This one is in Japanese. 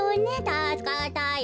たすかったよ。